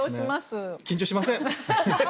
緊張しません。